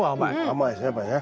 甘いですねやっぱりね。